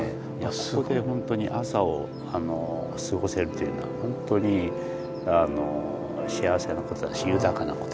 ここでほんとに朝を過ごせるというのはほんとに幸せなことだし豊かなことだし。